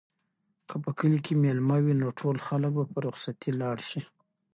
که په کلي کې مېله وي نو ټول خلک به په رخصتۍ لاړ شي.